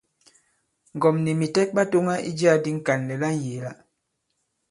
Ŋgɔ̀m nì mìtɛk ɓa tōŋa i jiā di Ŋkànlɛ̀ la ŋyēe-la.